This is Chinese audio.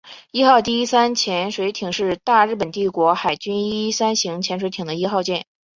伊号第一三潜水舰是大日本帝国海军伊一三型潜水艇的一号舰。